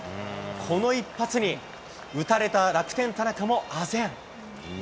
この一発に、打たれた楽天、田中もあぜん。